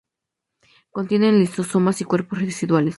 Contienen lisosomas y cuerpos residuales.